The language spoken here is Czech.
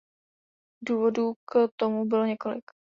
Důvodů k tomu bylo několik.